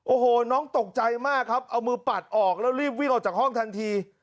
โอ้โหน้องตกใจมากครับเอามือปัดออกแล้วรีบวิ่งออกจากห้องทันที